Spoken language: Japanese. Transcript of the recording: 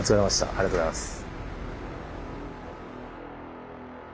ありがとうございます。